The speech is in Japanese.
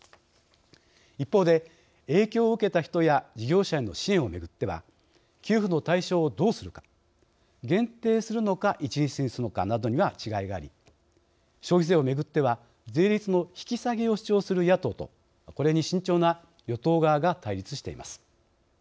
一方で、影響を受けた人や事業者への支援をめぐっては給付の対象をどうするか限定するのか一律にするのかなどには違いがあり消費税をめぐっては税率の引き下げを主張する野党とこれに慎重な与党側が対立しています。